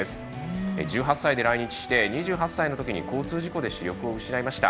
１８歳で来日して２８歳のときに交通事故で視力を失いました。